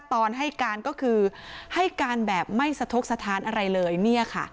ตอนให้การก็คือให้การแบบไม่สะทกสถานอะไรเลยเนี่ยค่ะ